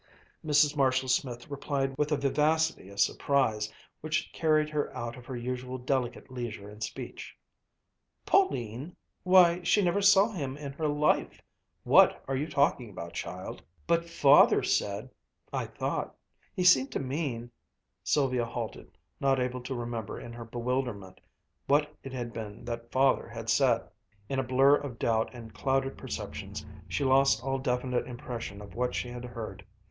Mrs. Marshall Smith replied with a vivacity of surprise which carried her out of her usual delicate leisure in speech. "Pauline? Why, she never saw him in her life! What are you talking about, child?" "But, Father said I thought he seemed to mean " Sylvia halted, not able to remember in her bewilderment what it had been that Father had said. In a blur of doubt and clouded perceptions she lost all definite impression of what she had heard.